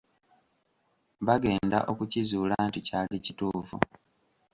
Bagenda okukizuula nti kyali kituufu.